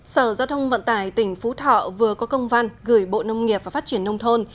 sở giao thông vận tải tỉnh phú thọ vừa có công văn gửi bộ nông nghiệp và phát triển nông thôn